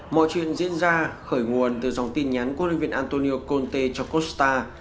mọi chuyện diễn ra khởi nguồn từ dòng tin nhắn của linh viên antonio conte cho costa